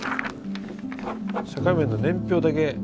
社会面の年表だけ。